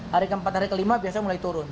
hari ke empat hari ke lima biasanya mulai turun